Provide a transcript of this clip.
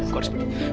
kau harus pergi